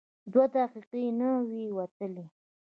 دوه دقیقې نه وې وتلې.